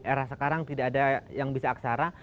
era sekarang tidak ada yang bisa aksara